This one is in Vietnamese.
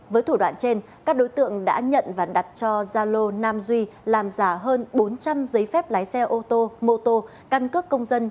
với thủ đoạn trên các đối tượng đã nhận và đặt cho zalo nam duy làm giả hơn bốn trăm linh giấy phép lái xe ô tô mô tô căn cước công dân